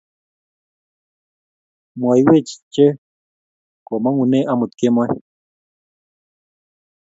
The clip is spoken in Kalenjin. Mwaiwech che komangune amut kemoi